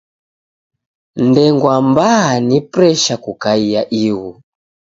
Ndengwa mbaa ni presha kukaia ighu.